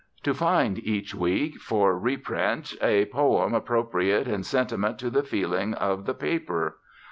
To find each week for reprint a poem appropriate in sentiment to the feeling of the paper.